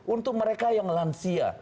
untuk mereka yang lansia